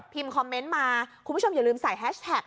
คอมเมนต์มาคุณผู้ชมอย่าลืมใส่แฮชแท็ก